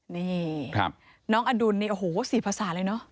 นี่น้องอดุลนี่โอ้โห๔ภาษาเลยเนอะ